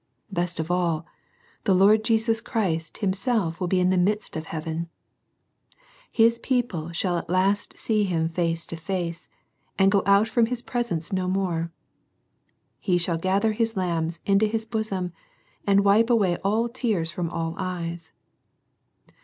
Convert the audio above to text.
Best of all, the Lord Jesus Christ himself will be in the midst of heaven. His people shall at last see Him face to face, and go out from His presence no more. He shall gather His lambs into His bosom, and wipe away all tears from all eyes.